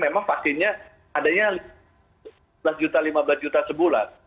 vaksinnya adanya lima belas juta sebulan